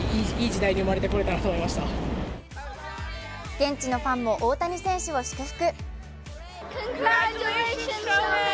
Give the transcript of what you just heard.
現地のファンも大谷選手を祝福。